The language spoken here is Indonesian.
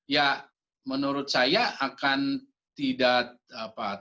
ya menurut saya akan tidak apa